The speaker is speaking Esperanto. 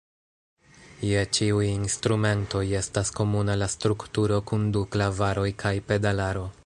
Je ĉiuj instrumentoj estas komuna la strukturo kun du klavaroj kaj pedalaro.